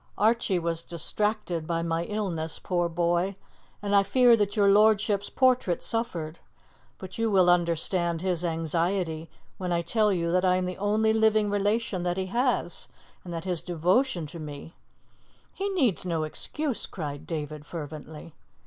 "Archie was distracted by my illness, poor boy, and I fear that your lordship's portrait suffered. But you will understand his anxiety when I tell you that I am the only living relation that he has, and that his devotion to me " "He needs no excuse!" cried David fervently.